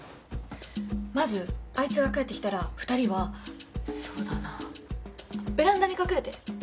まずあいつが帰ってきたら２人はそうだなベランダに隠れてえっ？